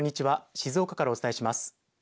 静岡からお伝えします。